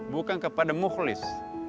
bukan kepada mukhlis